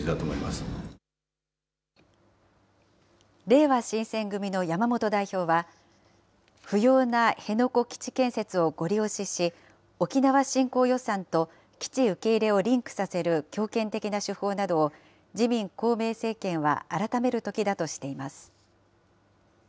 れいわ新選組の山本代表は、不要な辺野古基地建設をごり押しし、沖縄振興予算と基地受け入れをリンクさせる強権的な手法などを自民、公明政権は改めるときだとしています。